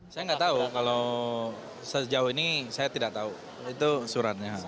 saya nggak tahu kalau sejauh ini saya tidak tahu itu suratnya